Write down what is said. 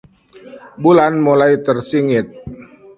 bulan mulai tersingit